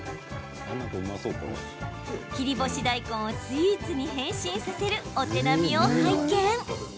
切り干し大根をスイーツに変身させるお手並みを拝見。